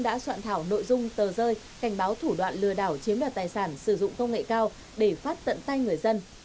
đã soạn thảo nội dung tờ rơi cảnh báo thủ đoạn lừa đảo chiếm đoạt tài sản sử dụng công nghệ cao để phát tận tay người dân